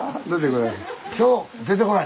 出てこない？